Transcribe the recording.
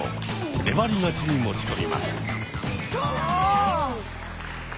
粘り勝ちに持ち込みます。